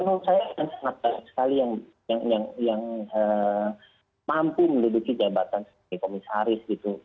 menurut saya sangat banyak sekali yang mampu menduduki jabatan sebagai komisaris gitu